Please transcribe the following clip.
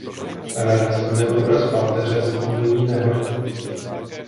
Everest měl úraz páteře z důlní nehody.